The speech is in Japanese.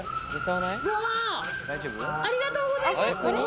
ありがとうございます！